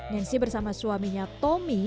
dan si bersama suaminya tommy